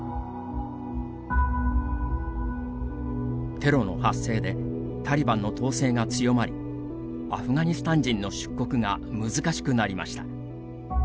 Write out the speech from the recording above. テロの発生でタリバンの統制が強まりアフガニスタン人の出国が難しくなりました。